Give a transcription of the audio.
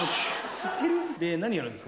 知ってる？で、何やるんですか？